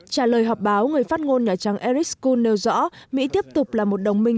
trả lời họp báo người phát ngôn nhà trắng erris kun nêu rõ mỹ tiếp tục là một đồng minh